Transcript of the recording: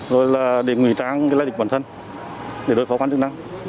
rồi là để ngủy tráng lại địch bản thân để đối phó quan trọng năng